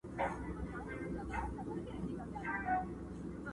• شاوخوا یې بیا پر قبر ماجر جوړ کئ.